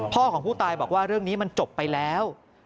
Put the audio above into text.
ของผู้ตายบอกว่าเรื่องนี้มันจบไปแล้ว